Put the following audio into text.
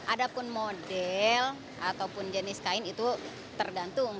ada pun model atau pun jenis kain itu tergantung